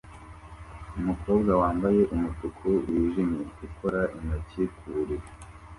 umukobwa wambaye umutuku wijimye ukora intoki ku buriri